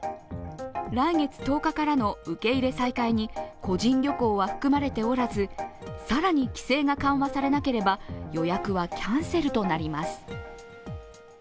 来月１０日からの受け入れ再開に個人旅行は含まれておらず更に規制が緩和されなければ予約はキャンセルとなります。